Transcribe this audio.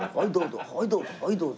はいどうぞ。